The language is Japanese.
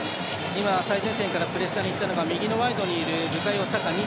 最前線からプレッシャーにいったのが右のワイドにいる、サカ。